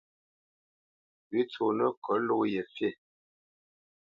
Pʉ̌ tsónə́ kot ló ye fî.